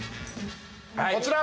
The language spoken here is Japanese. こちら！